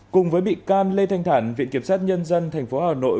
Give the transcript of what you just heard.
cùng với bị can lê thanh thản viện kiểm sát nhân dân tp hà nội